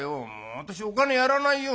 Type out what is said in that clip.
私お金やらないよ。